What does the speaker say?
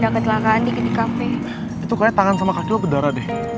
kayaknya tangan sama kaki lo berdarah deh